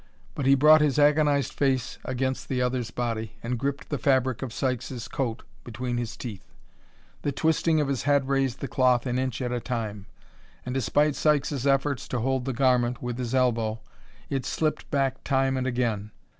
But he brought his agonized face against the other's body, and gripped the fabric of Sykes' coat between his teeth. The twisting of his head raised the cloth an inch at a time, and despite Sykes' efforts to hold the garment with his elbow, it slipped back time and again.